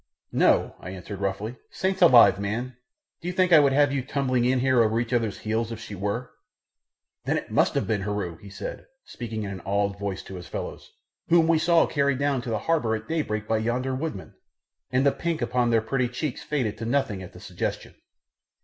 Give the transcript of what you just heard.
"No," I answered roughly. "Saints alive, man, do you think I would have you tumbling in here over each other's heels if she were?" "Then it must indeed have been Heru," he said, speaking in an awed voice to his fellows, "whom we saw carried down to the harbour at daybreak by yonder woodmen," and the pink upon their pretty cheeks faded to nothing at the suggestion.